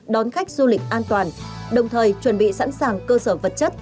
đón khách du lịch an toàn đồng thời chuẩn bị sẵn sàng cơ sở vật chất